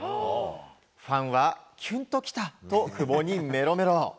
ファンは、キュンときたと久保にメロメロ。